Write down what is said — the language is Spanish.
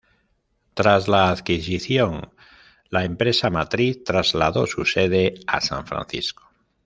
Tras la adquisición, la empresa matriz trasladó su sede a San Francisco.